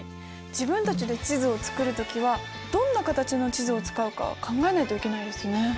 自分たちで地図を作る時はどんな形の地図を使うか考えないといけないですね。